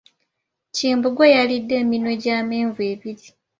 Kimbugwe yalidde eminwe gy'amenvu ebiri.